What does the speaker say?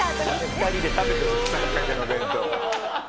２人で食べて腐りかけの弁当。